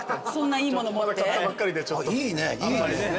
まだ買ったばっかりでちょっと。